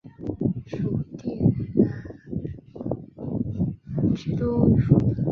属定襄都督府。